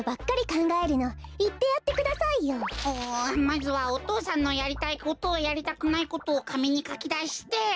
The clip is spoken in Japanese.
まずはお父さんのやりたいことやりたくないことをかみにかきだして。